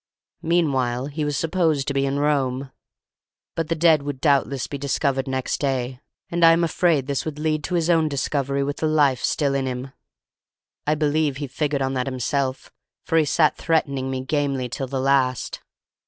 Meanwhile he was supposed to be in Rome. But the dead would doubtless be discovered next day, and I am afraid this would lead to his own discovery with the life still in him. I believe he figured on that himself, for he sat threatening me gamely till the last.